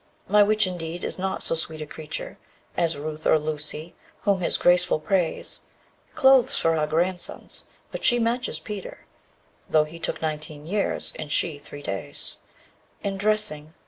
5. My Witch indeed is not so sweet a creature As Ruth or Lucy, whom his graceful praise Clothes for our grandsons but she matches Peter, _35 Though he took nineteen years, and she three days In dressing.